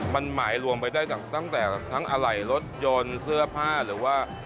มันหมายรวมไปได้ตั้งแต่ทั้งอะไหล่รถยนต์เสื้อผ้าหรือว่า